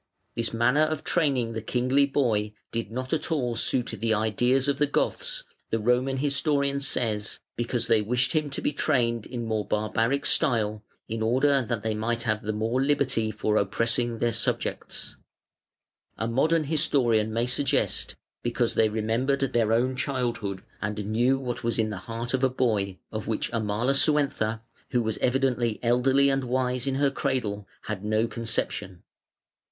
This manner of training the kingly boy did not at all suit the ideas of the Goths, the Roman historian says, "because they wished him to be trained in more barbaric style in order that they might have the more liberty for oppressing their subjects": a modern historian may suggest, "because they remembered their own childhood and knew what was in the heart of a boy", of which Amalasuentha, who was evidently elderly and wise in her cradle, had no conception.